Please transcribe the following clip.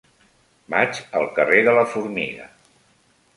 Vaig al carrer de la Formiga.